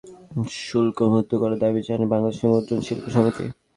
ভারত থেকে কাগজ আমদানি শুল্কমুক্ত করার দাবি জানায় বাংলাদেশ মুদ্রণ শিল্প সমিতি।